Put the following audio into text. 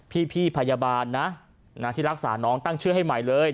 พี่พยาบาลนะที่รักษาน้องตั้งชื่อให้ใหม่เลย